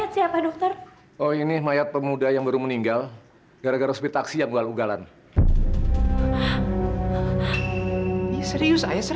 sampai jumpa di video selanjutnya